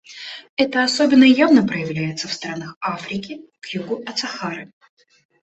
Это особенно явно проявляется в странах Африки к югу от Сахары.